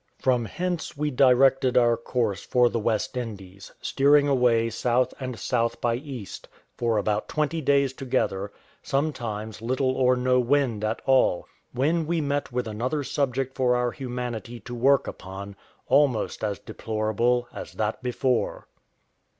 From hence we directed our course for the West Indies, steering away S. and S. by E. for about twenty days together, sometimes little or no wind at all; when we met with another subject for our humanity to work upon, almost as deplorable as that before.